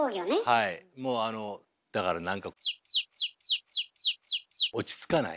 はいもうあのだから何か落ち着かない。